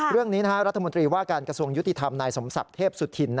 เรื่องนี้รัฐมนตรีว่าการกระทรวงยุติธรรมนายสมศักดิ์เทพสุธิน